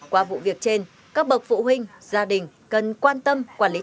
qua vụ việc trên các bậc phụ huynh gia đình cần quan tâm quản lý